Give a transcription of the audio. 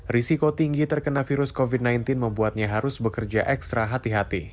risiko tinggi terkena virus covid sembilan belas membuatnya harus bekerja ekstra hati hati